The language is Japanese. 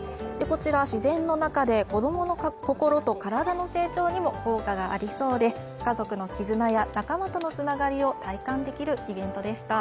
こちら自然の中で子供の心と体の成長にも効果がありそうで家族の絆や仲間とのつながりを体感できるイベントでした。